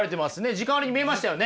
時間割に見えましたよね。